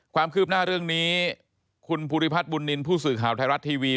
ความคืบหน้าเรื่องนี้คุณภูริพัฒน์บุญนินทร์ผู้สื่อข่าวไทยรัฐทีวี